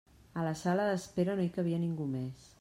A la sala d'espera no hi cabia ningú més.